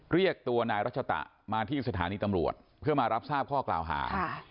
เรียกตัวนายรัชตะมาที่สถานีตำรวจเพื่อมารับทราบข้อกล่าวหา